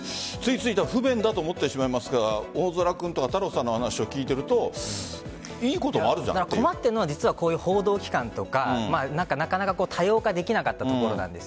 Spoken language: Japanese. つい不便だと思ってしまいますが大空君、太郎さんの話を聞いていると困っているのは報道機関とかなかなか対応ができなかったところなんです。